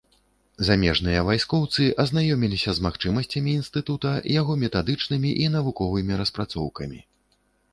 Замежныя вайскоўцы азнаёміліся з магчымасцямі інстытута, яго метадычнымі і навуковымі распрацоўкамі.